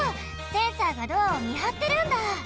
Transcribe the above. センサーがドアをみはってるんだ！